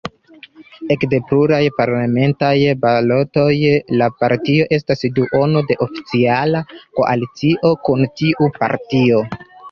Ekde pluraj parlamentaj balotoj la partio estas duono de oficiala koalicio kun tiu partio.